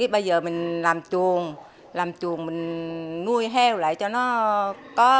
bây giờ mình làm chuồng làm chuồng mình nuôi heo lại cho nó có